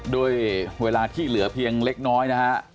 ด้วยเวลาที่เหลือเพียงเล็กน้อยนะฮะ